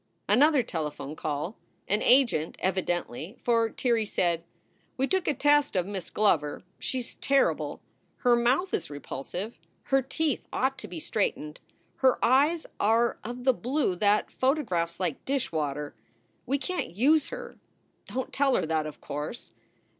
Another telephone call an agent, evidently, for Tirrey said: " We took a test of Miss Glover. She s terrible! Her mouth is repulsive, her teeth ought to be straightened, her eyes are of the blue that photographs like dishwater. We can t use her. Don t tell her that, of course.